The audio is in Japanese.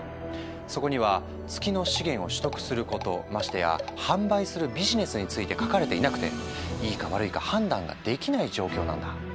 そこには月の資源を取得することましてや販売するビジネスについて書かれていなくていいか悪いか判断ができない状況なんだ。